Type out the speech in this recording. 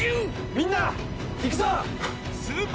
みんないくぞ！